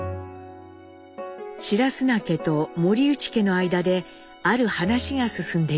白砂家と森内家の間である話が進んでいました。